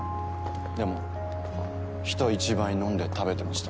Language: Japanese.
でも人一倍飲んで食べてました。